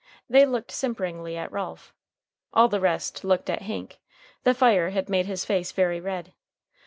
They looked simperingly at Ralph. All the rest looked at Hank. The fire had made his face very red.